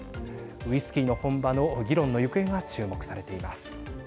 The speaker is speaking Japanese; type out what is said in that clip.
ウイスキーの本場の議論の行方が注目されています。